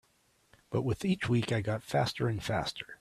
But with each week I got faster and faster.